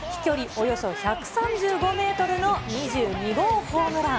およそ１３５メートルの２２号ホームラン。